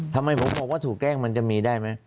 ทำไมผมบอกว่าถูกแกล้งมันจะมีได้ไหม